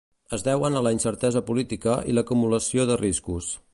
Es deuen a la incertesa política i l'acumulació de riscos.